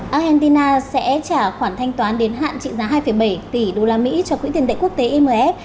argentina sẽ trả khoản thanh toán đến hạn trị giá hai bảy tỷ usd cho quỹ tiền tệ quốc tế imf